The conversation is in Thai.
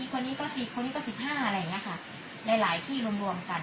คนนี้ก็สิบคนนี้ก็สิบห้าอะไรอย่างเงี้ยค่ะหลายหลายที่รวมรวมกัน